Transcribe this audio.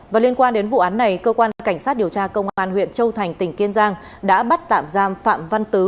và liên quan đến vụ án này cơ quan cảnh sát điều tra công an huyện châu thành tỉnh kiên giang đã bắt tạm giam phạm văn tứ